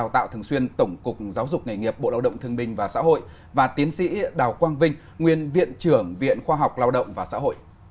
thường xuyên tổng cục giáo dục nghề nghiệp bộ lao động thương binh và xã hội và tiến sĩ đào quang vinh nguyên viện trưởng viện khoa học lao động và xã hội